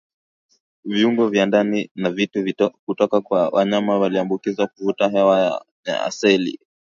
viungo vya ndani na vitu kutoka kwa wanyama walioambukizwa kuvuta hewa yenye seli